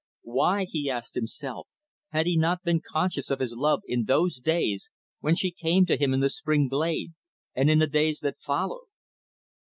Why, he asked himself, had he not been conscious of his love in those days when she came to him in the spring glade, and in the days that followed?